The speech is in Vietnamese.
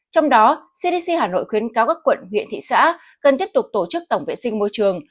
trong đó cdc hà nội khuyến cáo các quận huyện thị xã cần tiếp tục tổ chức tổng vệ sinh môi trường